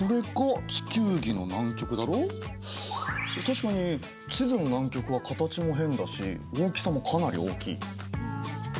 確かに地図の南極は形も変だし大きさもかなり大きい。